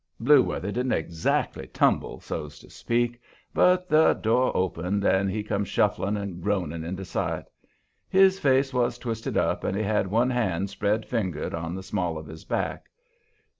Blueworthy didn't exactly tumble, so's to speak, but the door opened, and he comes shuffling and groaning into sight. His face was twisted up and he had one hand spread fingered on the small of his back.